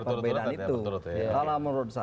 perbedaan itu kalau menurut saya